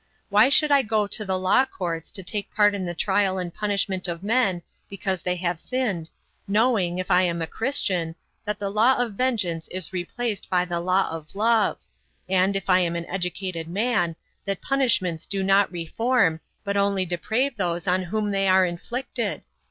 Why should I go to the law courts to take part in the trial and punishment of men because they have sinned, knowing, if I am a Christian, that the law of vengeance is replaced by the law of love, and, if I am an educated man, that punishments do not reform, but only deprave those on whom they are inflicted?